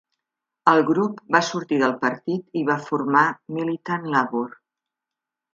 El grup va sortir del partit i va formar Militant Labour.